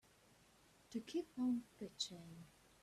To keep on pitching.